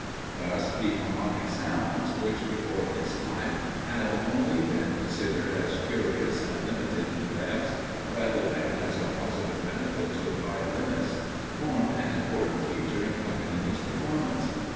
Thus, the harmonic sounds, which before his time had only been considered as curious and limited effects, rather than as a positive benefit to a violinist, formed an important feature in Paganini's performance.